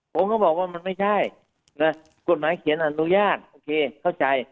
ผมก็บอกว่ามันไม่ใช่กฎหมายเขียนอนุญาตโอเคเข้าใจ